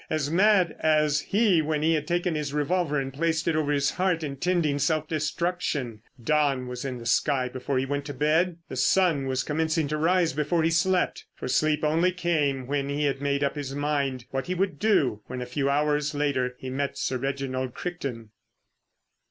As mad as he when he had taken his revolver and placed it over his heart intending self destruction. Dawn was in the sky before he went to bed. The sun was commencing to rise before he slept. For sleep only came when he had made up his mind what he would do when a few hours later he met Sir Reginald Crichton.